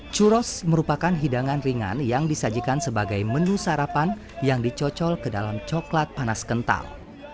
churos merupakan hidangan ringan yang disajikan sebagai menu sarapan yang dicocol ke dalam coklat panas kental